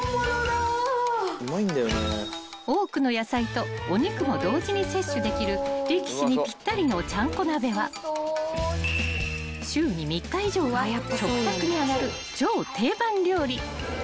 ［多くの野菜とお肉も同時に摂取できる力士にぴったりのちゃんこ鍋は週に３日以上は食卓に上がる超定番料理］